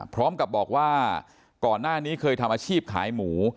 พร้อมกับบอกว่าก่อนหน้านี้เคยทำอาชีพขายหมู